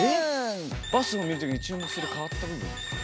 バスを見る時に注目する変わった部分。